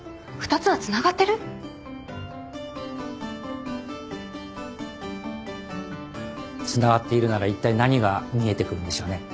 つながっているならいったい何が見えてくるんでしょうね。